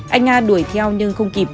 anh a đuổi theo nhưng không kịp